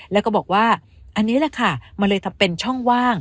แล้วก็บอกว่าอันนี้แหละค่ะมันเลยทำเป็นช่องว่าง